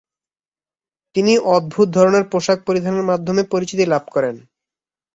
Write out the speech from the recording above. তিনি অদ্ভুত ধরনের পোশাক পরিধানের মাধ্যমে পরিচিতি লাভ করেন।